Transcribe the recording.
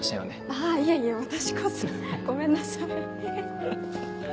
あぁいえいえ私こそごめんなさい。